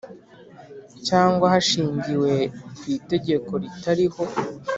cyangwa hashingiwe ku itegeko ritariho